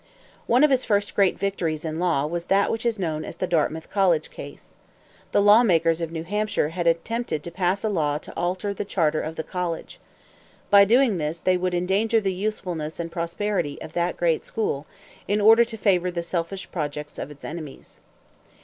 One of his first great victories in law was that which is known as the Dartmouth College case. The lawmakers of New Hampshire had attempted to pass a law to alter the charter of the college. By doing this they would endanger the usefulness and prosperity of that great school, in order to favor the selfish projects of its enemies.